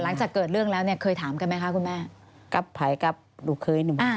หลังจากเกิดเรื่องแล้วเนี่ยเคยถามกันไหมคะคุณแม่